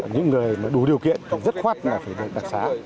những người đủ điều kiện thì rất khoát phải đặt đặc xá